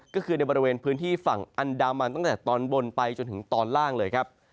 ก็คือในบริเวณพื้นที่ฝั่งอันดามันตั้งแต่ตอนบนไปจนถึงตอนล่างเลยครับ